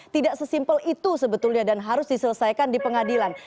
tidak sesimpel itu sebetulnya dan harus diselesaikan di pengadilan